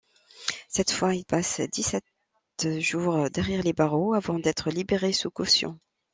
Cette fois, il passe dix-sept jours derrière les barreaux avant d’être libéré sous caution.